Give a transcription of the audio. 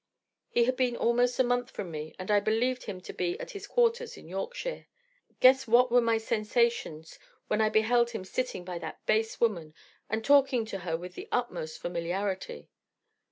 "He had been almost a month from me, and I believed him to be at his quarters in Yorkshire. Guess what were my sensations when I beheld him sitting by that base woman, and talking to her with the utmost familiarity.